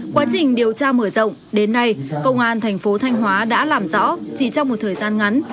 quá trình điều tra mở rộng đến nay công an thành phố thanh hóa đã làm rõ chỉ trong một thời gian ngắn